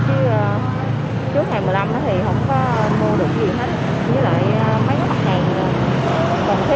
chứ trước ngày một mươi năm thì không có mua được gì hết với lại mấy mấy tháng ngày rồi